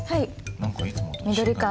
何かいつもと違う。